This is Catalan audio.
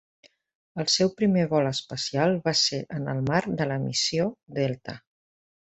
El seu primer vol espacial va ser en el marc de la Missió Delta.